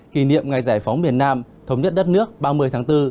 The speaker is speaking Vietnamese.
kỷ niệm ngày giải phóng miền nam thống nhất đất nước ba mươi tháng bốn